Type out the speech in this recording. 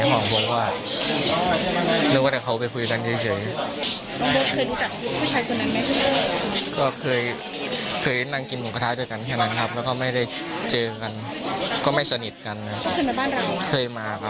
บุกมะกราดยิงถึงที่บ้านมีน้องผู้หญิงคนหนึ่งเกือบจะโดนลูกหลงไปด้วยนะคะ